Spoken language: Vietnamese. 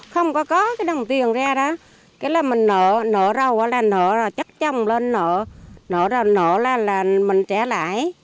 không có có cái đồng tiền ra đó cái là mình nở nở râu là nở chắc chồng lên nở nở ra nở là mình trẻ lại